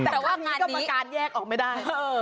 แต่ถ้ากับนี้ก็บาการแยกออกไม่ได้